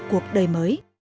cuộc đời mới